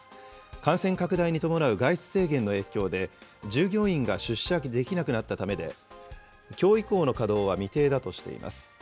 感染拡大に伴う外出制限の影響で、従業員が出社できなくなったためで、きょう以降の稼働は未定だとしています。